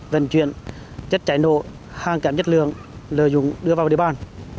vận chuyển chất chảy nộ hàng cảm nhất lượng lợi dụng đưa vào địa bàn